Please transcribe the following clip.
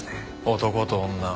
男と女